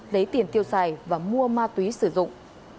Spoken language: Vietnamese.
lấy tiền tiêu xài và mua ma túy sử dụng